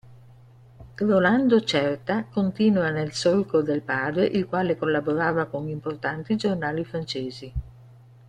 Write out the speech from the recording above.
Rolando Certa continua nel solco del padre il quale collaborava con importanti giornali francesi.